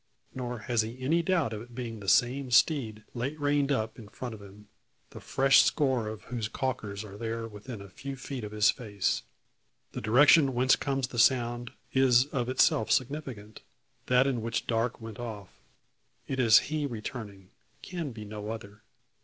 Nor has he any doubt of its being the same steed late reined up in front of him, the fresh score of whose calkers are there within a few feet of his face. The direction whence comes the sound, is of itself significant; that in which Darke went off. It is he returning can be no other.